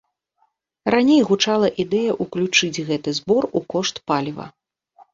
Раней гучала ідэя ўключыць гэты збор у кошт паліва.